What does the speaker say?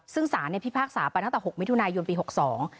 ซึ่งสารเนี่ยพิพากษาไปตั้งแต่หกมิถุนายนปีหกสอง